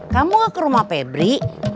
kamu gak ke rumah pebri